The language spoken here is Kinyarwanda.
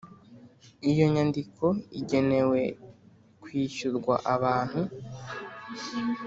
Iyo inyandiko igenewe kwishyurwa abantu